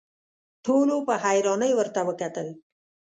ټولو په حيرانۍ ورته وکتل.